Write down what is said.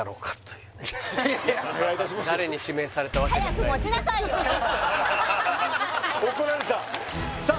俺が誰に指名されたわけでもないのに怒られたさあ